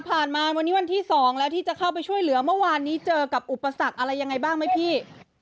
มาวันนี้วันที่๒แล้วที่จะเข้าไปช่วยเหลือเมื่อวานนี้เจอกับอุปสรรคอะไรยังไงบ้างไหมพี่